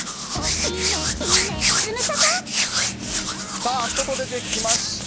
さあ、外出てきました。